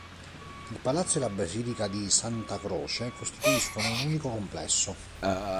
Il palazzo e la basilica di Santa Croce costituiscono un unico complesso.